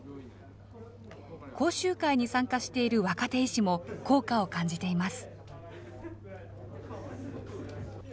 講習会に参加している若手医師も効果を感じています。